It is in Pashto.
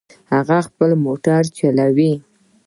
هغه خپل موټر چلوي